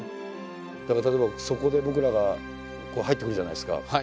だから例えばそこで僕らがこう入ってくるじゃないですか。